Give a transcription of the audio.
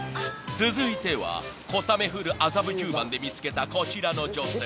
［続いては小雨降る麻布十番で見つけたこちらの女性］